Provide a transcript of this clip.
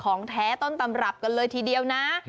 ของแท้ต้นตำรับกันเลยทีเดียวนะ